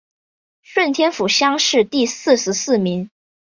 顺天府乡试第四十四名。